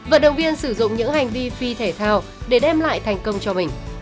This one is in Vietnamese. vận động viên sử dụng những hành vi phi thể thao để đem lại thành công cho mình